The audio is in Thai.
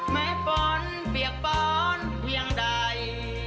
แม้ปอนเปียกปอนเพียงใด